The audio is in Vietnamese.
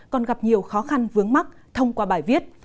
còn gặp nhiều khó khăn vướng mắt thông qua bài viết